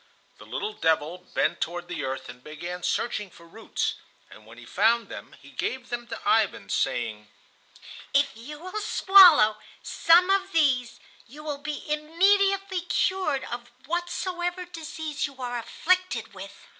The little devil bent toward the earth and began searching for roots, and when he found them he gave them to Ivan, saying: "If you will swallow some of these you will be immediately cured of whatsoever disease you are afflicted with."